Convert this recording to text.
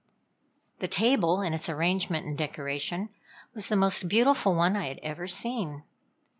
The table, in its arrangement and decoration, was the most beautiful one I had ever seen.